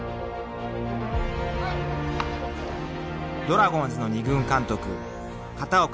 ［ドラゴンズの２軍監督片岡